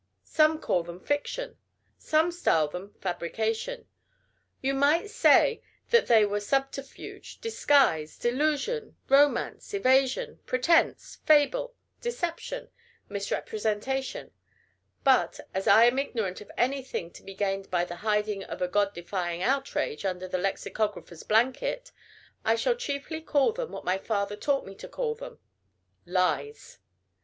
Some call them "fiction." Some style them "fabrication." You might say that they were subterfuge, disguise, delusion, romance, evasion, pretence, fable, deception, misrepresentation; but, as I am ignorant of anything to be gained by the hiding of a God defying outrage under a lexicographer's blanket, I shall chiefly call them what my father taught me to call them lies.